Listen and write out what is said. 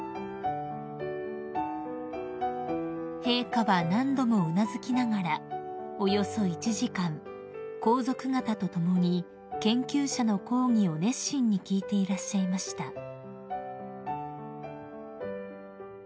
［陛下は何度もうなずきながらおよそ１時間皇族方と共に研究者の講義を熱心に聞いていらっしゃいました］